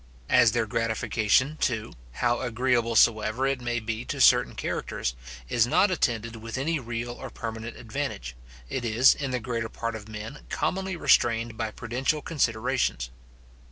As their gratification, too, how agreeable soever it may be to certain characters, is not attended with any real or permanent advantage, it is, in the greater part of men, commonly restrained by prudential considerations.